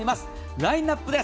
ラインナップです。